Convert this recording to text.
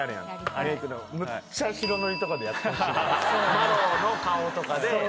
麻呂の顔とかで。